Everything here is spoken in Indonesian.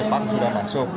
pang sudah masuk